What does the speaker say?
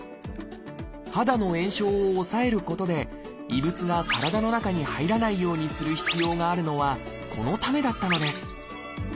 肌の炎症を抑えることで異物が体の中に入らないようにする必要があるのはこのためだったのです。